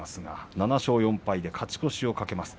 ７勝４敗で勝ち越しを懸けます。